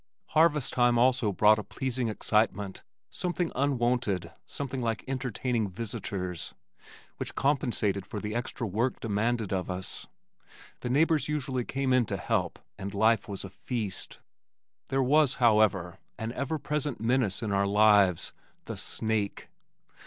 Harvest time also brought a pleasing excitement (something unwonted, something like entertaining visitors) which compensated for the extra work demanded of us. The neighbors usually came in to help and life was a feast. There was, however, an ever present menace in our lives, the snake!